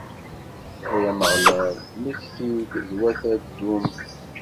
Ay Ameɣlal, mmekti-d d wat Adum!